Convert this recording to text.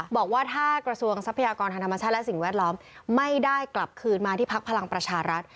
บอกว่าถ้ากระทรวงทรัพยากรทางธรรมชาติและสิ่งแวดล้อมไม่ได้กลับคืนมาที่พักพลังประชารัฐ